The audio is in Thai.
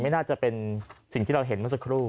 ไม่น่าจะเป็นสิ่งที่เราเห็นเมื่อสักครู่